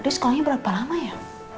terus sekolahnya berapa lama ya